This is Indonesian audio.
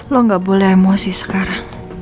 lo gak boleh emosi sekarang